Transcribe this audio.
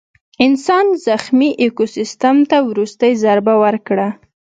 انسان زخمي ایکوسیستم ته وروستۍ ضربه ورکړه.